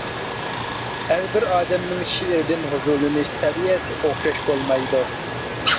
ھەربىر ئادەمنىڭ شېئىردىن ھۇزۇرلىنىش سەۋىيەسى ئوخشاش بولمايدۇ.